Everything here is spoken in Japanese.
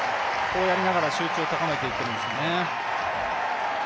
こうやりながら集中を高めていってるんですね。